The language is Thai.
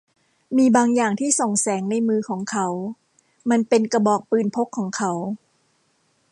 มีบางอย่างที่ส่องแสงในมือของเขา มันเป็นกระบอกปืนพกของเขา